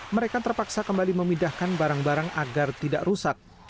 mereka terpaksa kembali memindahkan barang barang agar tidak rusak